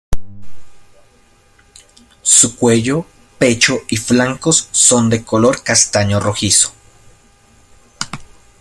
Su cuello, pecho y flancos son de color castaño rojizo.